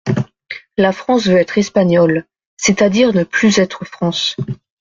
La France veut être Espagnole, c'est-à-dire ne plus être France.